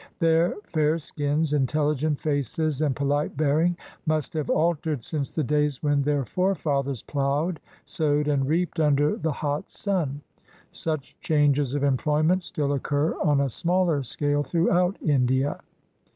Their fair skins, intelligent faces, and polite bearing must have altered since the days when 01 ^93 INDIA their forefathers ploughed, sowed, and reaped under the hot sun. Such changes of employment still occur on a smaller scale throughout India.